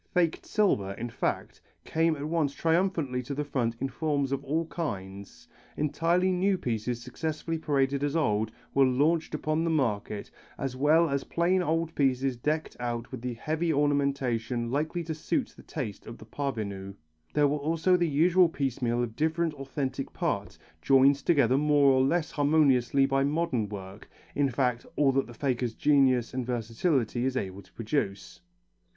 Faked silver, in fact, came at once triumphantly to the front in forms of all kinds, entirely new pieces successfully parading as old, were launched upon the market as well as plain old pieces decked out with the heavy ornamentation likely to suit the taste of the parvenu. There was also the usual piecemeal of different authentic parts, joined together more or less harmoniously by modern work, in fact all that the faker's genius and versatility is able to produce.